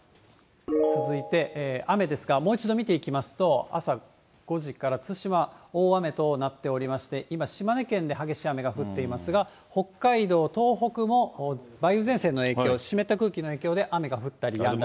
続いて雨ですが、もう一度見ていきますと、朝５時から対馬、大雨となっておりまして、今、島根県で激しい雨が降っていますが、北海道、東北も、梅雨前線の影響、湿った空気の影響で雨が降ったりやんだり。